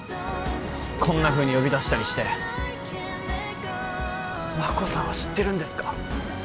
こんなふうに呼び出したりして真子さんは知ってるんですか？